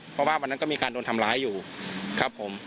เพราะว่าวันนั้นก็มีการโดนทำร้ายอยู่ครับผม